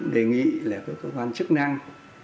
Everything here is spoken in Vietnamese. đề nghị là các cơ quan chức năng